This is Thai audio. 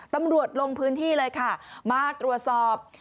ตำรวจลงพื้นที่เลยค่ะมาตรวจสอบ